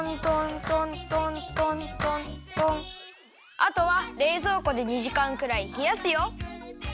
あとはれいぞうこで２じかんくらいひやすよ。